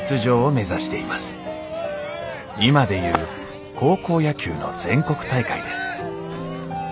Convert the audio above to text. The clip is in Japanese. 今で言う高校野球の全国大会です。